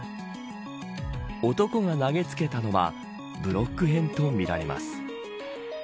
男が投げつけたのはブロック片とみられます。